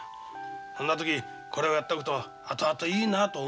そんな時これをやっとくと後々いいなと思ってもさ。